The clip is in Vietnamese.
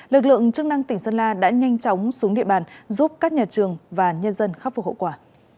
lực lượng chức năng tỉnh sơn la đã nhanh chóng xuống địa bàn giúp các nhà trường và nhân dân khắc phục hậu quả